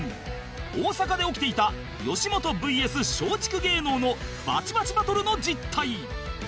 大阪で起きていた吉本 ＶＳ 松竹芸能のバチバチバトルの実態